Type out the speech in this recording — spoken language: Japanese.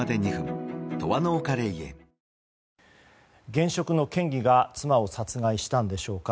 現職の県議が妻を殺害したんでしょうか。